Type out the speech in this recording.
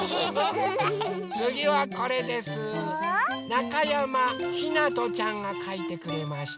なかやまひなとちゃんがかいてくれました。